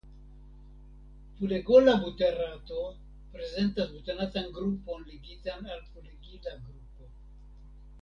Pulegola buterato prezentas butanatan grupon ligitan al pulegila grupo.